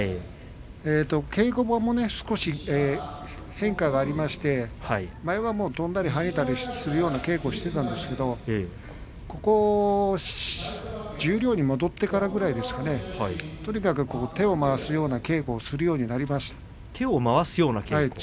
稽古場も少し変化がありまして前は飛んだり跳ねたりする稽古をしていたんですけど十両に戻ってきてからとにかく、手を回すような稽古をするようになりました。